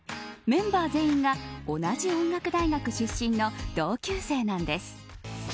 メンバー全員が同じ音楽大学出身の同級生なんです。